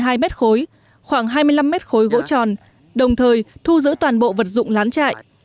khoảng hai mươi hai mét khối khoảng hai mươi năm mét khối gỗ tròn đồng thời thu giữ toàn bộ vật dụng lán trại